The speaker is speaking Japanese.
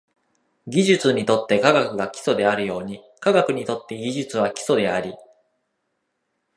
技術にとって科学が基礎であるように、科学にとって技術は基礎であり、